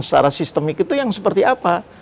secara sistemik itu yang seperti apa